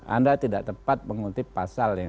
anda tidak tepat mengutip pasalnya